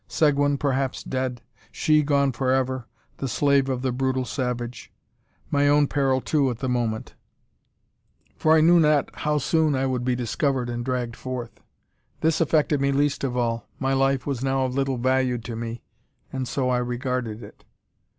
Seguin perhaps dead; she gone for ever, the slave of the brutal savage. My own peril, too, at the moment; for I knew not how soon I might be discovered and dragged forth. This affected me least of all. My life was now of little value to me, and so I regarded it.